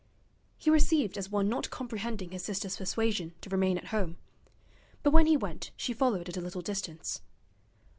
He received as one not comprehending his sister's persuasion to remain at home; but when he went she followed at a little distance.